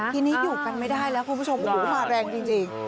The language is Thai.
ทีนี้อยู่กันไม่ได้แล้วคุณผู้ชมโอ้โหมาแรงจริง